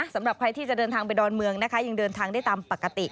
สำหรับใครที่จะเดินทางไปดอนเมืองนะคะยังเดินทางได้ตามปกติ